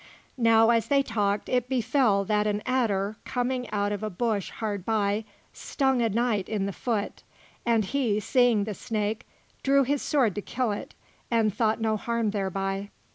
Now as they talked, it befell that an adder, coming out of a bush hard by, stung a knight in the foot; and he, seeing the snake, drew his sword to kill it and thought no harm thereby.